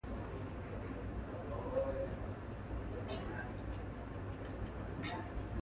Some people might laugh about it.